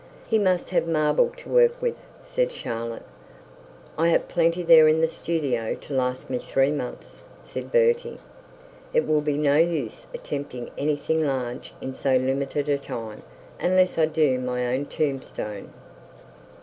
'He must have marble to work with,' said Charlotte. 'I have plenty there in the studio to last me three months,' said Bertie. 'It will be no use attempting anything large in so limited a time; unless I do my own tombstone.'